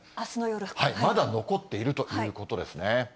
まだ残っているということですね。